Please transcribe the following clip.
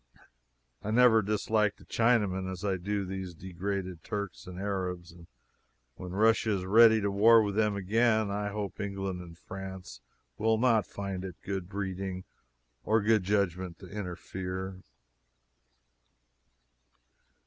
I never disliked a Chinaman as I do these degraded Turks and Arabs, and when Russia is ready to war with them again, I hope England and France will not find it good breeding or good judgment to interfere.